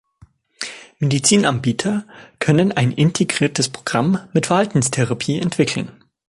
Medizinanbieter können ein integriertes Programm mit Verhaltenstherapien entwickeln.